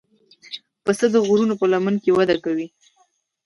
پسه د غرونو په لمنو کې وده کوي.